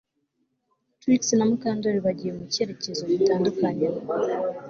Trix na Mukandoli bagiye mu cyerekezo gitandukanye